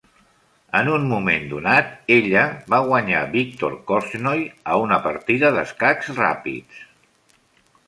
En un moment donat, ella va guanyar Viktor Korchnoi a una partida d'escacs ràpids.